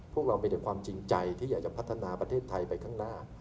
พวกเรามีแต่ความจริงใจที่อยากจะพัฒนาประเทศไทยไปข้างหน้า